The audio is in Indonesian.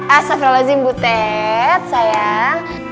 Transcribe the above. assalamualaikum butet sayang